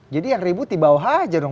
jadi yang ribut di bawah aja dong